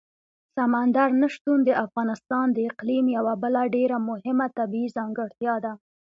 سمندر نه شتون د افغانستان د اقلیم یوه بله ډېره مهمه طبیعي ځانګړتیا ده.